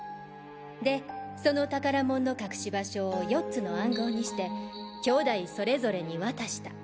でその宝物の隠し場所を４つの暗号にして兄弟それぞれに渡した。